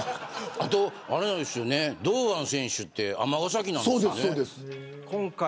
あと、堂安選手って尼崎なんですね。